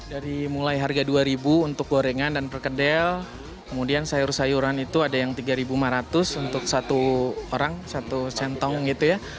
dari mulai harga rp dua untuk gorengan dan perkedel kemudian sayur sayuran itu ada yang rp tiga lima ratus untuk satu orang satu sentong gitu ya